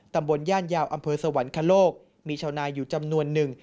ตำบลย่านยาวอำเภอสวรรคโลกมีชาวนาอยู่จำนวนหนึ่ง